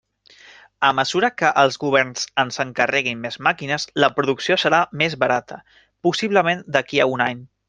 A mesura que els governs ens encarreguin més màquines, la producció serà més barata, possiblement d'aquí a un any.